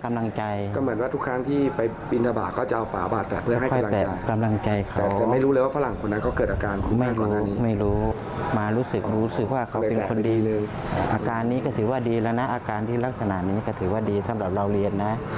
อาการนี้ก็ถือว่าดีแล้วนะอาการที่ลักษณะนี้ก็ถือว่าดีสำหรับเราเรียนนะ